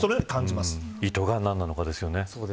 意図が何なのかですよね。